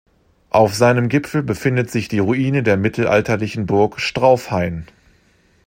Auf seinem Gipfel befindet sich die Ruine der mittelalterlichen Burg Straufhain.